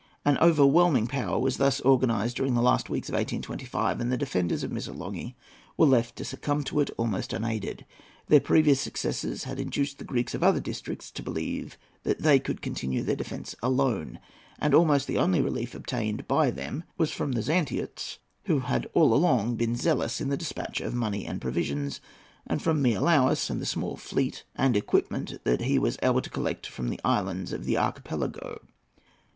An overwhelming power was thus organized during the last weeks of 1825, and the defenders of Missolonghi were left to succumb to it, almost unaided. Their previous successes had induced the Greeks of other districts to believe that they could continue their defence alone, and almost the only relief obtained by them was from the Zantiots, who had all along been zealous in the despatch of money and provisions, and from Miaoulis and the small fleet and equipment that he was able to collect from the islands of the Archipelago.